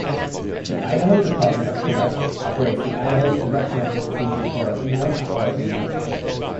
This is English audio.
The Idaho Department of Correction operates the Idaho Correctional Institution-Orofino in Orofino.